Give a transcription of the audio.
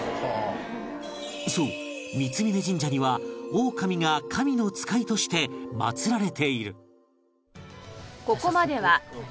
そう三峯神社にはオオカミが神の使いとして祭られている